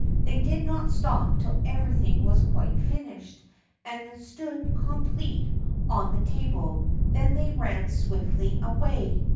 They did not stop till everything was quite finished, and stood complete on the table; then they ran swiftly away.